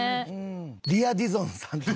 リア・ディゾンさんとかね。